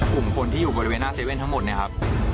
กลุ่มคนที่อยู่บริเวณหน้าเว่นทั้งหมดเนี่ยครับ